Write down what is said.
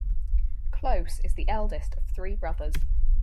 Close is the eldest of three brothers.